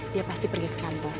dia pasti pergi ke kantor